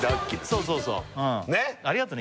そうそうそうありがとね